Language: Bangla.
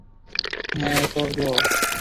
হ্যাঁ, করবো।